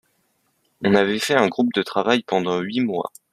On avait fait un groupe de travail pendant huit mois.